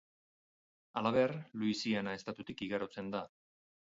Halaber Luisiana estatutik igarotzen da.